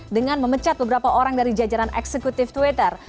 dengan memecat beberapa orang dari jajaran eksekutif twitter